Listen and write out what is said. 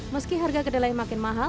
meski harga kedelai makin mahal